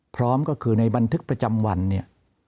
พร้อมก็คือในบันทึกประจำวันเนี่ย